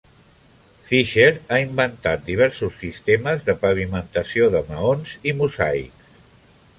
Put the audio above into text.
Fisher ha inventat diversos sistemes de pavimentació de maons i mosaics.